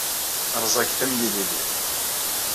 Rẓaget am yilili